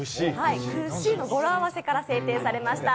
「９４」の語呂合わせから制定されました